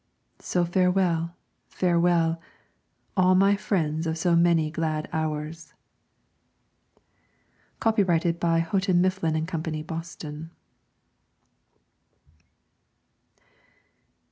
"So farewell, farewell, All my friends of so many glad hours." Copyrighted by Houghton, Mifflin and Company, Boston.